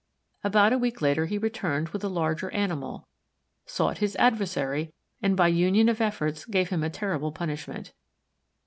About a week later he returned with a larger animal, sought his adversary, and by union of efforts gave him a terrible punishment.